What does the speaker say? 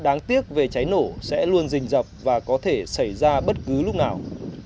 cố đáng tiếc về cháy nổ sẽ luôn dình dập và có thể xảy ra bất cứ lúc nào